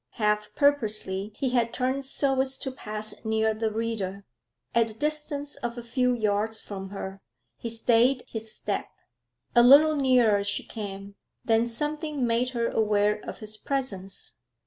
Half purposely, he had turned so as to pass near the reader. At the distance of a few yards from her, he stayed his step. A little nearer she came, then something made her aware of his presence.